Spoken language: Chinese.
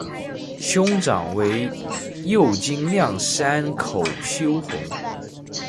兄长为右京亮山口修弘。